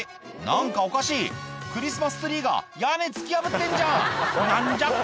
何かおかしいクリスマスツリーが屋根突き破ってんじゃん！